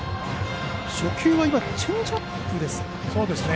初球はチェンジアップですね。